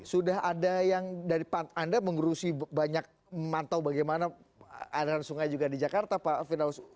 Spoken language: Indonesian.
sudah ada yang dari anda mengurusi banyak memantau bagaimana aliran sungai juga di jakarta pak firdaus